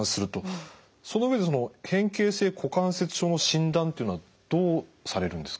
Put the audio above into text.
その上で変形性股関節症の診断というのはどうされるんですか？